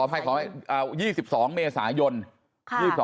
ขอไข๒๒เมษายนต์